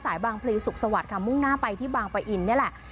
บางพลีสุขสวัสดิ์ค่ะมุ่งหน้าไปที่บางปะอินนี่แหละ